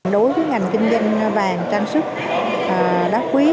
đối với ngành kinh doanh vàng trang sức đá quý